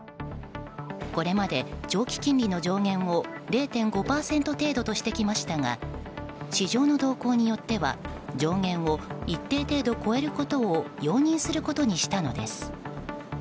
これまで長期金利の上限を０．５％程度としてきましたが市場の動向によっては上限を一定程度超えることを容認することにしたのです。